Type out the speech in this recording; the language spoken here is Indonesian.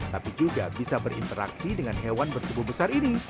tapi juga bisa berinteraksi dengan hewan bertubuh besar ini